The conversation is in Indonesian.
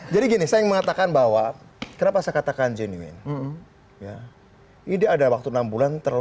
jadi gini saya mengatakan bahwa kenapa saya katakan jenuin ini ada waktu enam bulan terlalu